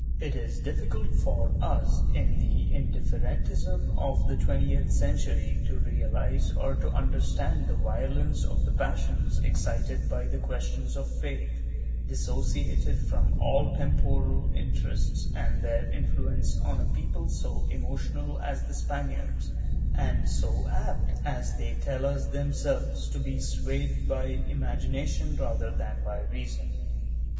It is difficult for us, in the indifferentism of the twentieth cen tury, to realize or to understand the violence of the passions excited by questions of faith, dissociated from all temporal interests, and their influence on a people so emotional as the Spaniards and so apt, as they tell us themselves, to be swayed by imagination rather than by reason.